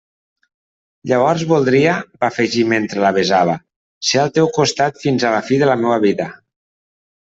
Llavors voldria —va afegir mentre la besava— ser al teu costat fins a la fi de la meua vida!